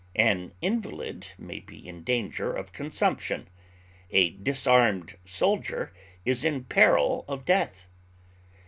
An invalid may be in danger of consumption; a disarmed soldier is in peril of death.